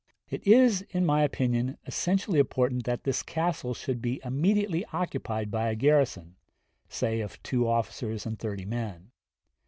It is, in my opinion, essentially important that this castle should be immediately occupied by a garrison, say, of two officers and thirty men.